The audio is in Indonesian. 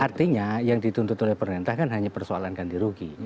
artinya yang dituntut oleh pemerintah kan hanya persoalan ganti rugi